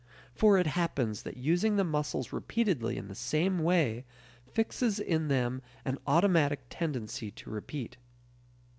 For it happens that using the muscles repeatedly in the same way fixes in them an automatic tendency to repeat.